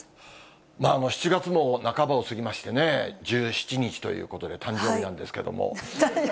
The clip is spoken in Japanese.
まあ、７月も半ばを過ぎましてね、１７日ということで、誕生日なんですけども。